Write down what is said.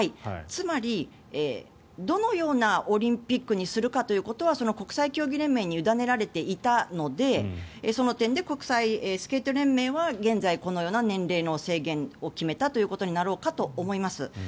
つまりどのようなオリンピックにするかということは国際競技連盟に委ねられていたのでその点で国際スケート連盟は現在、このような年齢の制限を決めたということになろうかと思います。